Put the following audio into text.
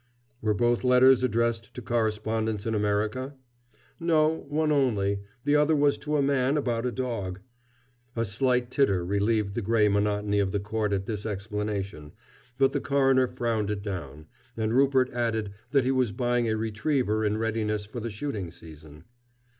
"Were both letters addressed to correspondents in America?" "No, one only. The other was to a man about a dog." A slight titter relieved the gray monotony of the court at this explanation, but the coroner frowned it down, and Rupert added that he was buying a retriever in readiness for the shooting season.